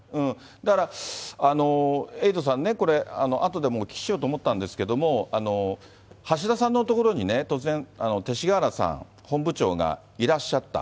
だから、エイトさんね、これ、あとでお聞きしようと思ったんですけど、橋田さんのところにね、突然、勅使河原さん、本部長がいらっしゃった。